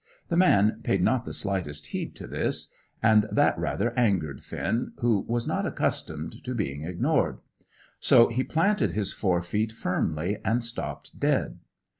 The man paid not the slightest heed to this, and that rather angered Finn, who was not accustomed to being ignored; so he planted his fore feet firmly, and stopped dead.